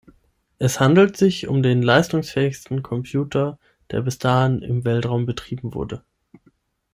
Es handelt sich um den leistungsfähigsten Computer, der bis dahin im Weltraum betrieben wurde.